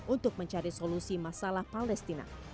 untuk mencari solusi masalah palestina